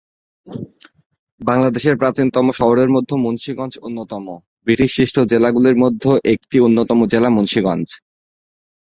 বাংলাদেশের প্রাচীনতম শহরের মধ্যে মুন্সিগঞ্জ অন্যতম, ব্রিটিশ সৃষ্ট জেলাগুলির মধ্যে একটি অন্যতম জেলা মুন্সিগঞ্জ।